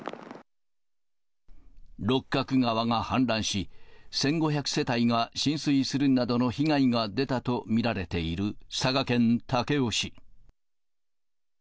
六角川が氾濫し、１５００世帯が浸水するなどの被害が出たと見られている佐賀県武雄市。